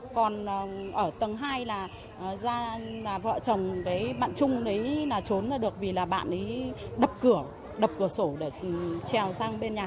còn ở tầng hai là vợ chồng bạn trung trốn là được vì là bạn ấy đập cửa sổ để trèo sang bên